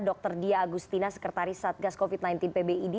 dr dia agustina sekretaris satgas covid sembilan belas pbid